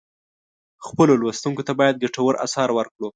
خپلو لوستونکو ته باید ګټور آثار ورکړو.